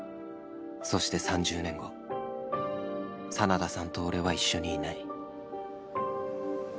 そして３０年後真田さんと俺は一緒にいない